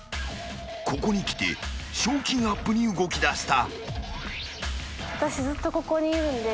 ［ここにきて賞金アップに動きだした］